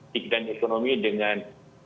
di bidang ekonomi dengan